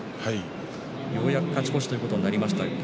ようやく勝ち越しということになりました。